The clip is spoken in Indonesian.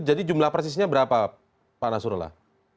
jadi jumlah persisnya berapa pak nasrullah